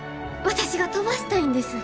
私が飛ばしたいんです。